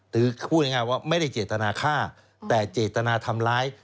พูดง่ายว่าไม่ได้เจตนาฆ่าแต่เจตนาทำร้าย